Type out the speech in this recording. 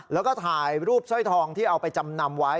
แล้วก็ถ่ายรูปสร้อยทองที่เอาไปจำนำไว้